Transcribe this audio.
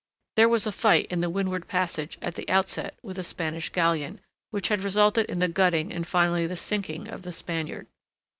There was a fight in the Windward Passage at the outset with a Spanish galleon, which had resulted in the gutting and finally the sinking of the Spaniard.